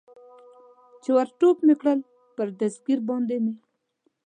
چې ور ټوپ مې کړل، پر دستګیر باندې مې.